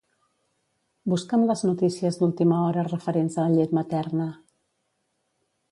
Busca'm les notícies d'última hora referents a la llet materna.